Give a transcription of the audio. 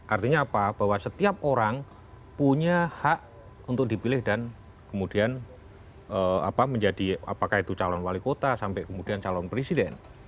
artinya apa bahwa setiap orang punya hak untuk dipilih dan kemudian menjadi apakah itu calon wali kota sampai kemudian calon presiden